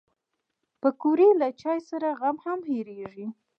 پکورې له چای سره غم هم هېرېږي